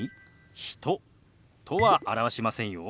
「人」とは表しませんよ。